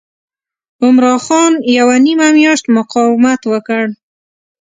عمرا خان یوه نیمه میاشت مقاومت وکړ.